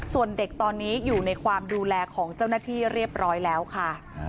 ส่วนเด็กตอนนี้อยู่ในความดูแลของเจ้าหน้าที่เรียบร้อยแล้วค่ะ